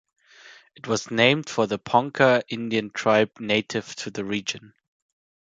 It was named for the Ponca Indian tribe native to the region.